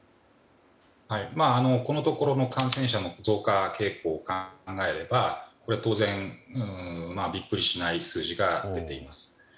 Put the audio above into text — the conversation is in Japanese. このところの感染者の増加傾向から考えればこれは当然、ビックリしない数字が出ています。